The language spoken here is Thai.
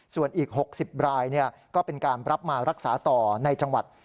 ส่วนอีก๖๐รายก็เป็นการรับมารักษาต่อในจังหวัด